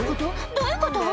どういうこと？